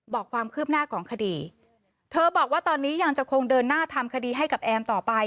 บอกความคืบหน้าของคดีเธอบอกว่าตอนนี้ยังจะคงเดินหน้าทำคดีให้กับแอมต่อไป